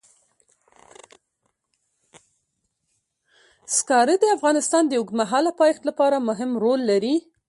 زغال د افغانستان د اوږدمهاله پایښت لپاره مهم رول لري.